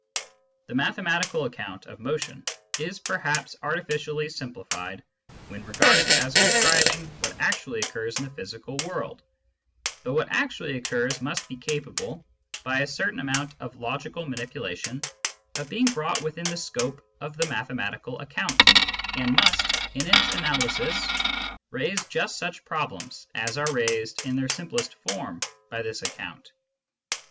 The mathematical account of motion is perhaps artificially simplified when regarded as describing what actually occurs in the physical world ; but what actually occurs must be capable, by a certain amount of logical manipula tion, of being brought within the scope of the mathematical account, and must, in its analysis, raise just such problems as are raised in their simplest form by this account.